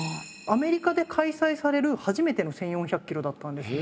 アメリカで開催される初めての１，４００ｋｍだったんです。